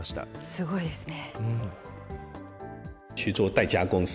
すごいですね。